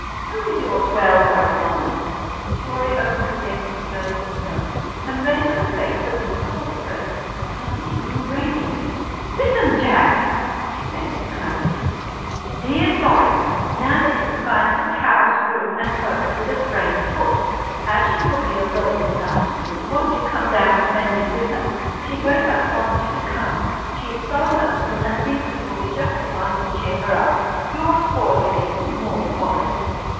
Who is your swell correspondent?" Florrie opened the dainty, perfumed note and read it with a face that, puzzled at first, suddenly grew radiant. "Listen, Jack," she said excitedly. "Dear Florrie: "Nan is confined to house, room, and sofa with a sprained foot. As she will be all alone this afternoon, won't you come down and spend it with her? She very much wants you to come—she is so lonesome and thinks you will be just the one to cheer her up. "Yours cordially, "Maude Wallace."